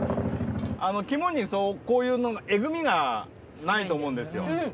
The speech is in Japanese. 肝にこういうのえぐみがないと思うんですよ。